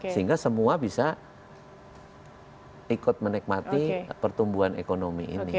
sehingga semua bisa ikut menikmati pertumbuhan ekonomi ini